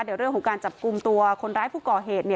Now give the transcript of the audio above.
เดี๋ยวเรื่องของการจับกลุ่มตัวคนร้ายผู้ก่อเหตุ